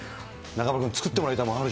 中丸君、作ってもらいたいもの